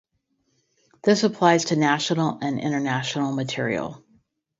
This applies to national and international material.